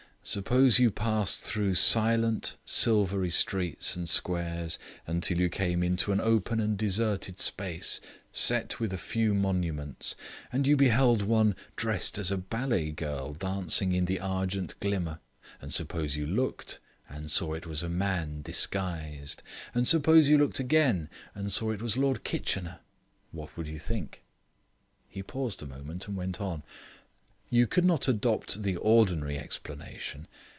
Suppose you passed through silent, silvery streets and squares until you came into an open and deserted space, set with a few monuments, and you beheld one dressed as a ballet girl dancing in the argent glimmer. And suppose you looked, and saw it was a man disguised. And suppose you looked again, and saw it was Lord Kitchener. What would you think?" He paused a moment, and went on: "You could not adopt the ordinary explanation.